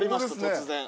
突然。